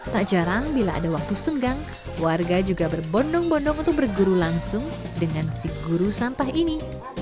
tak jarang bila ada waktu senggang warga juga berbondong bondong untuk berguru langsung dengan si guru sampah ini